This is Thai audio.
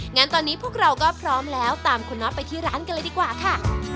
งั้นตอนนี้พวกเราก็พร้อมแล้วตามคุณน็อตไปที่ร้านกันเลยดีกว่าค่ะ